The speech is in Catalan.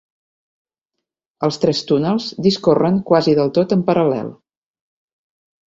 Els tres túnels discorren quasi del tot en paral·lel.